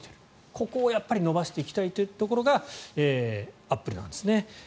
ここをやっぱり伸ばしていきたいというところがアップル案ですね。